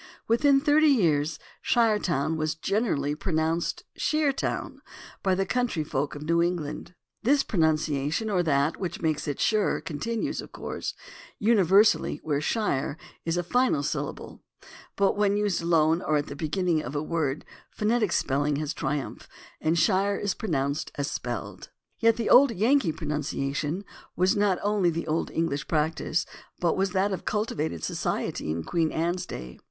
Within thirty years "Shiretown" was generally pronounced "Sheer town" by the country folk of New England. This pronunciation or that which makes it "sher" continues, of course, univer sally where "shire" is a final syllable, but when used alone or at the beginning of a word phonetic spelling has triumphed, and shire is pronounced as spelled. Yet the old Yankee pronunciation was not only the old EngHsh practice, but was that of culti vated society in Queen Anne's day.